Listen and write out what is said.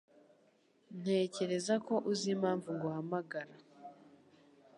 Ntekereza ko uzi impamvu nguhamagara.